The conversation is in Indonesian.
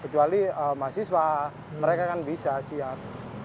kecuali mahasiswa mereka kan bisa siap